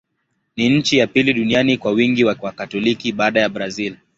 Ni nchi ya pili duniani kwa wingi wa Wakatoliki, baada ya Brazil.